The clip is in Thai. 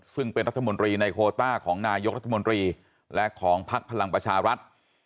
ซึ่งเป็นรัฐมนตรีในโคต้าของนายกรัฐมนตรีและของพักพลังประชารัฐ